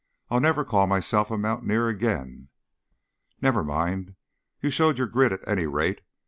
I'll never call myself a mountaineer again." "Never mind. You showed your grit at any rate.